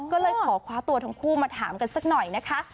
ก็เลยขอคว้าตัวทั้งคู่มาถามกันสักหน่อยนะคะ